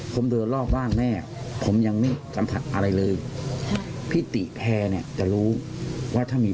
ผมเดินรอบบ้านแม่ผมยังไม่สัมผัสอะไรเลยพี่ติแพร่เนี่ยจะรู้ว่าถ้ามี